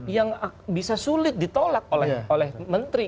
yang bisa sulit ditolak oleh menteri